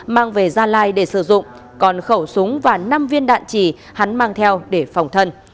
mang về gia lai để sử dụng còn khẩu súng và năm viên đạn trì hắn mang theo để phòng thân